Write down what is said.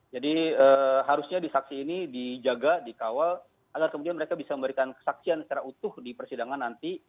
jadi harusnya di saksi ini dijaga dikawal agar kemudian mereka bisa memberikan saksian secara utuh di persidangan nanti